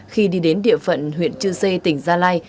khi đi đến địa phận huyện chư sê tỉnh gia lai